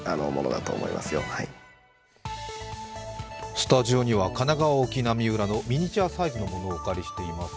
スタジオには神奈川沖のミニチュアサイズのものをお借りしております。